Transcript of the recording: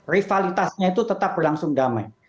rivalitasnya itu tetap berlangsung damai